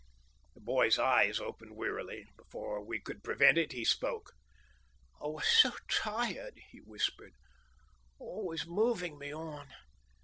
The boy's eyes opened wearily; before we could prevent it he spoke. "I was so tired," he whispered. "Always moving me on.